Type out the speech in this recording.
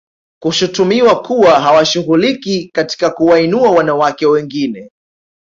Kushtumiwa kuwa hawashughuliki katika kuwainua wanawake wengine